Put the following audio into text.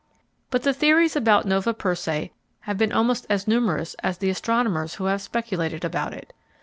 But the theories about Nova Persei have been almost as numerous as the astronomers who have speculated about it.